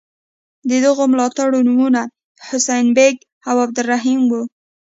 د دغو ملاتړو نومونه حسین بېګ او عبدالرحیم وو.